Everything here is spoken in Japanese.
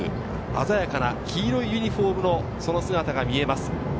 鮮やかな黄色いユニホームのその姿が見えます。